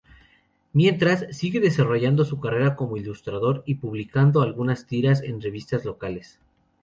Mientras, sigue desarrollando su carrera como ilustrador y publicando algunas tiras en revistas locales.